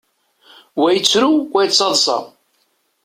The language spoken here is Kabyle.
Wa yettru, wa yettaḍṣa.